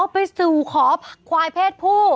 ไปสู่ขอควายเพศผู้